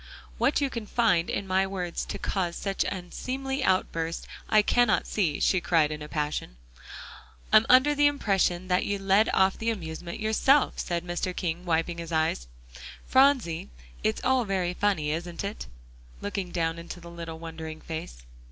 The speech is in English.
"What you can find in my words to cause such an unseemly outburst, I cannot see," she cried in a passion. "I'm under the impression that you led off the amusement yourself," said Mr. King, wiping his eyes. "Phronsie, it's all very funny, isn't it?" looking down into the little wondering face.